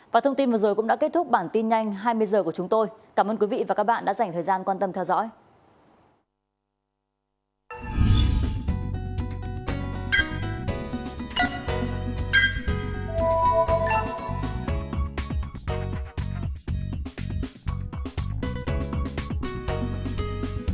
và thông tin vừa rồi cũng đã kết thúc bản tin nhanh hai mươi h của chúng tôi cảm ơn quý vị và các bạn đã dành thời gian quan tâm theo dõi